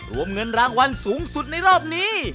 รวมเงินรางวัลสูงสุดในรอบนี้